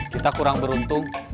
kita kurang beruntung